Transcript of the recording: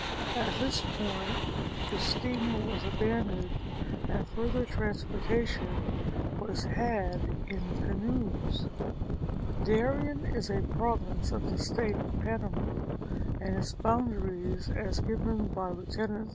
At this point the steamer was abandoned and further transportation was had in canoes. Darien is a province of the State of Panama and its boundaries as given by Lieut.